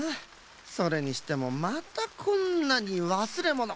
それにしてもまたこんなにわすれもの。